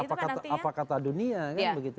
apa kata dunia kan begitu